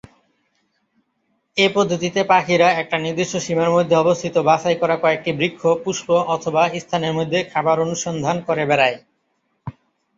এ পদ্ধতিতে পাখিরা একটি নির্দিষ্ট সীমার মধ্যে অবস্থিত বাছাই করা কয়েকটি বৃক্ষ, পুষ্প অথবা স্থানের মধ্যে খাবার অনুসন্ধান করে বেড়ায়।